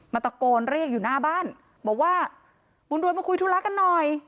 ตะโกนเรียกอยู่หน้าบ้านบอกว่าบุญรวยมาคุยธุระกันหน่อย